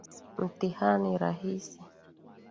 Mtihani rahisi